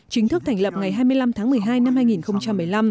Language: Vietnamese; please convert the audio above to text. chính thức thành lập ngày hai mươi năm tháng một mươi hai năm hai nghìn một mươi năm